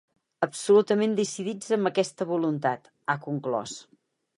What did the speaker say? Absolutament decidits amb aquesta voluntat, ha conclòs.